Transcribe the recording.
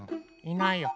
いないや。